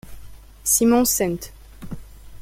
Simon St.